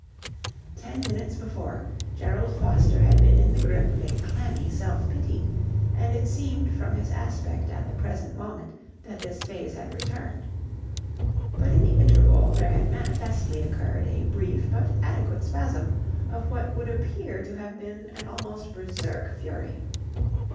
Ten minutes before, Gerald Foster had been in the grip of a clammy self pity, and it seemed from his aspect at the present moment that this phase had returned. But in the interval there had manifestly occurred a brief but adequate spasm of what would appear to have been an almost Berserk fury.